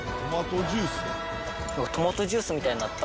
トマトジュースみたいになった。